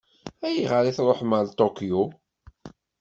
Ayɣer i tṛuḥem ɣer Tokyo?